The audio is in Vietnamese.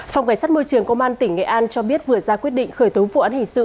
phòng cảnh sát môi trường công an tỉnh nghệ an cho biết vừa ra quyết định khởi tố vụ án hình sự